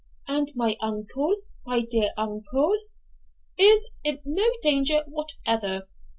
'And my uncle, my dear uncle?' 'Is in no danger whatever.